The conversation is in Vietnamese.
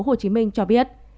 hồ chí minh cho biết